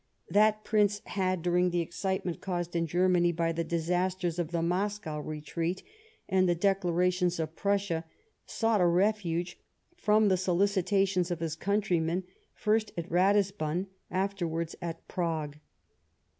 That prince had, during the excitement caused in Germany by the disasters of the Moscow retreat and the declarations of Prussia, sought a refuge from the solicitations of his countrymen, first at Ratisbon, afterwards at Prague.